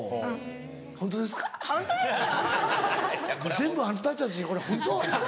全部あなたたちこれホント？